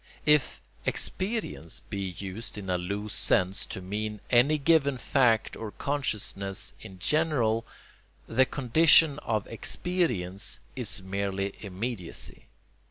If experience be used in a loose sense to mean any given fact or consciousness in general, the condition of experience is merely immediacy.